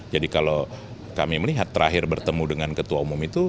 jadi kalau kami melihat terakhir bertemu dengan ketua umum itu